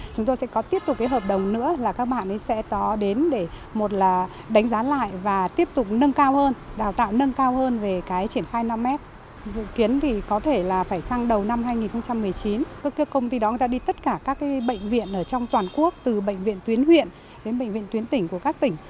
công ty đó đã đi tất cả các bệnh viện ở trong toàn quốc từ bệnh viện tuyến huyện đến bệnh viện tuyến tỉnh của các tỉnh